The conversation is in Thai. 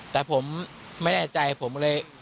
แต่ผมไม่แน่ใจผมก็เลย